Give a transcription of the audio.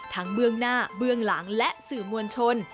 เบื้องหน้าเบื้องหลังและสื่อมวลชน